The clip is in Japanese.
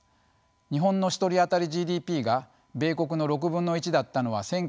日本の１人当たりＧＤＰが米国の６分の１だったのは１９６０年でした。